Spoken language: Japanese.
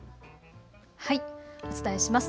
お伝えします。